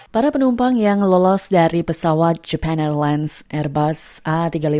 para penumpang yang lolos dari pesawat japan airlines airbus a tiga ratus lima puluh